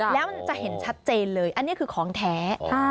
แล้วมันจะเห็นชัดเจนเลยอันนี้คือของแท้